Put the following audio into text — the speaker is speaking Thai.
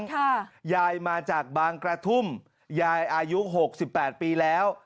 ค่ะยายมาจากบางกระทุ่มยายอายุหกสิบแปดปีแล้ว